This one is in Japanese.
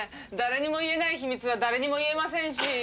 誰にも言えない秘密は誰にも言えませんし。